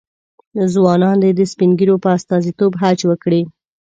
ځوانان دې د سپین ږیرو په استازیتوب حج وکړي.